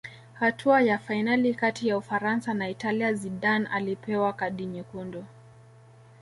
hatua ya fainali kati ya ufaransa na italia zidane alipewa kadi nyekundu